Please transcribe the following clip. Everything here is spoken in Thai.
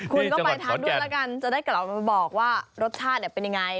คุณก็ไปทานด้วยแล้วกันจะได้กลับมาบอกว่ารสชาติเป็นยังไง